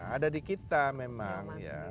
ada di kita memang